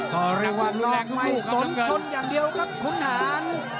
ก็เรียกว่าหลอกไม่สนชนอย่างเดียวครับขุนหาร